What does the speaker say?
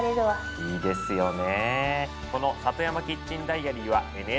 いいですよね。